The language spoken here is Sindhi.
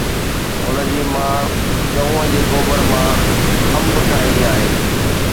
هن جي ماءُ ڳئون جي گوبر مان انب ٺاهيندي آهي